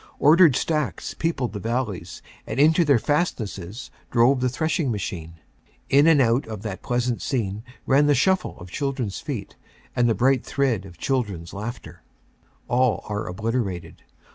Ordered stacks peopled the valleys and into their fastnesses drove the threshing machine. In and out that pleasant scene ran the shuffle of children s feet, and the bright thread of children s laughter. All are obliterated.